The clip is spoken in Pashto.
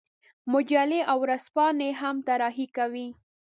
مجلې او ورځپاڼې هم طراحي کوي.